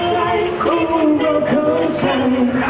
แล้วเธอก็บอกว่าเคยรัก